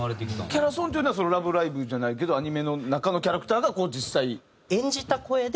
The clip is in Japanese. キャラソンというのは『ラブライブ！』じゃないけどアニメの中のキャラクターがこう実際。